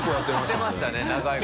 してましたね長いこと。